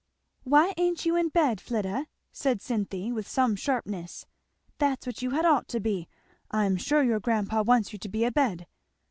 "Why ain't you in bed, Flidda?" said Cynthy with some sharpness. "That's what you had ought to be. I am sure your grandpa wants you to be abed."